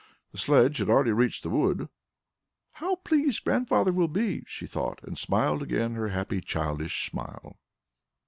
The sledge had already reached the wood. "How pleased Grandfather will be!" she thought, and smiled again her happy childish smile.